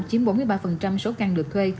chiếm bốn mươi ba số căn được thuê